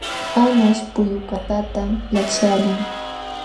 Anqaśh pullukatata laćhyaqlun.